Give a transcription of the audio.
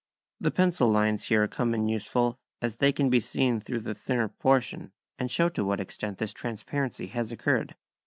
The pencil lines here come in useful, as they can be seen through the thinner portion, and show to what extent this transparency has occurred.